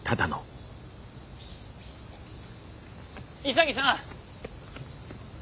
潔さん！